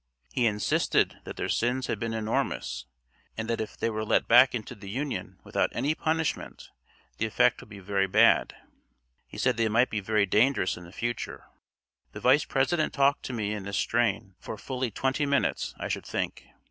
He insisted that their sins had been enormous, and that if they were let back into the Union without any punishment the effect would be very bad. He said they might be very dangerous in the future. The Vice President talked to me in this strain for fully twenty minutes, I should think.